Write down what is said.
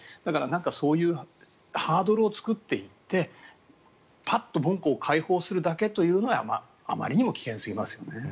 そういうハードルを作っていってパッと門戸を開放するだけというのはあまりにも危険すぎますよね。